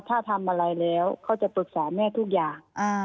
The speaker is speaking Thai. ถ้าทำอะไรแล้วเขาจะปรึกษาแม่ทุกอย่าง